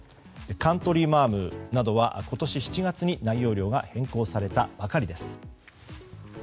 カントリーマアムなどは今年７月に内容量が変更されたばかりです。